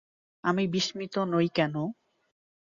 আমি বিস্মিত নই কেন?